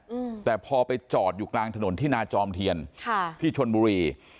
อืมแต่พอไปจอดอยู่กลางถนนที่นาจอมเทียนค่ะที่ชนบุรี